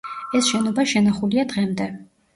ეს შენობა შენახულია დღემდე.